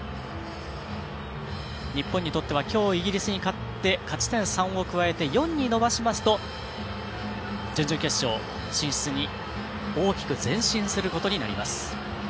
日本にとってはきょうイギリスに勝って勝ち点３を加えて４に伸ばしますと準々決勝進出に大きく前進することになります。